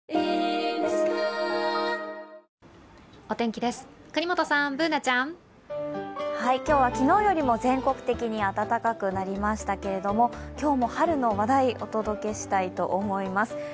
お天気です、國本さん、Ｂｏｏｎａちゃん。今日は昨日よりも全国的に暖かくなりましたけれども今日も春の話題、お届けしたいと思います。